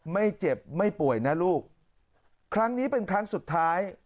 ไม่เจ็บไม่ป่วยนะลูกครั้งนี้เป็นครั้งสุดท้าย